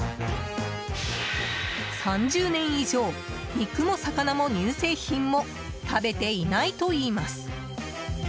３０年以上、肉も魚も乳製品も食べていないといいます。